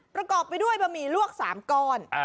ประกอบไปด้วยบะหมี่ลวก๓ก้อน